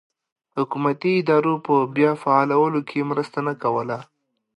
حکومتي ادارو په بیا فعالولو کې مرسته نه کوله.